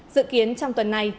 dự kiến trong tuần này